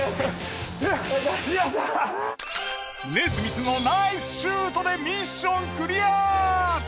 ネスミスのナイスシュートでミッションクリア！